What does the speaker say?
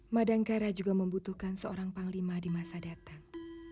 madangkara juga membutuhkan seorang panglima di masa datang